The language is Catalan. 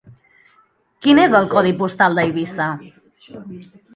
Quin és el codi postal d'Eivissa?